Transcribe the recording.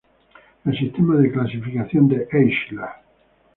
El sistema de clasificación de Eichler.